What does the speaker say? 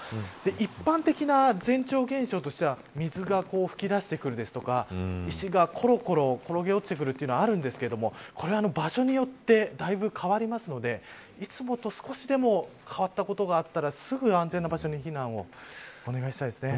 一般的な、前兆現象としては水が噴き出してきたり石がころころ転げ落ちてくるというのはあるんですがこれは場所によってだいぶ変わるのでいつもと少しでも変わったことがあったらすぐ安全な場所に避難をお願いしたいですね。